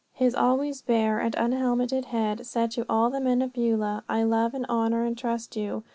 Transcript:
His always bare and unhelmeted head said to all the men of Beulah, I love and honour and trust you.